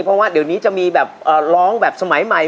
เพราะว่าเดี๋ยวนี้จะมีแบบร้องแบบสมัยใหม่